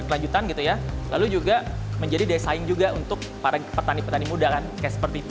kita bisa memprediksi